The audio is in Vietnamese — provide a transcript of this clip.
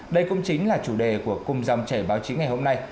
đây cũng chính là chủ đề của cung dòng chảy báo chí ngày hôm nay